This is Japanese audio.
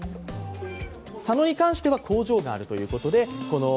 佐野に関しては工場があるということです。